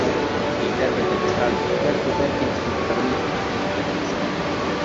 Interprete teatrale di successo, Perkins fu protagonista anche sul grande schermo.